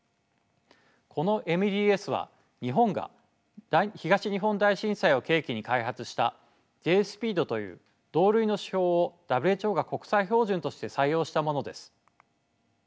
このＭＤＳは日本が東日本大震災を契機に開発したＪ−ＳＰＥＥＤという同類の手法をＷＨＯが国際標準として採用したものです。